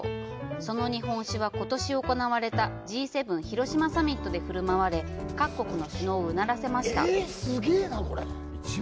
その日本酒は、ことし行われたＧ７広島サミットで振る舞われ、各国の首脳をうならせました。